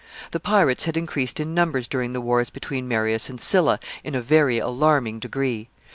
The pirates had increased in numbers during the wars between Marius and Sylla in a very alarming degree.